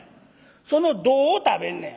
その胴を食べんねん。